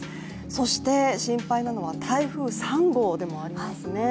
そして心配なのは、台風３号でもありますね。